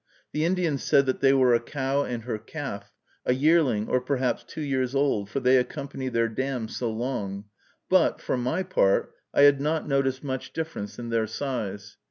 The Indian said that they were a cow and her calf, a yearling, or perhaps two years old, for they accompany their dams so long; but, for my part, I had not noticed much difference in their size.